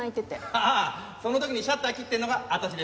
ああその時にシャッター切ってるのが私です。